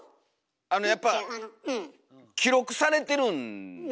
あのやっぱ記録されてるんですよね。